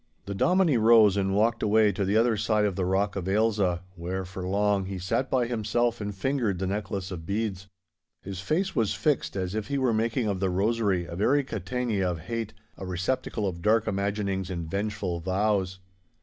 The Dominie rose and walked away to the other side of the Rock of Ailsa, where for long he sat by himself and fingered the necklace of beads. His face was fixed, as if he were making of the rosary a very catena of hate, a receptacle of dark imaginings and vengeful vows.